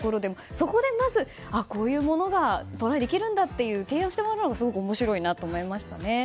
そこでこういうものがトライできるんだというのを提案をしてもらうのもすごく面白いなと思いましたね。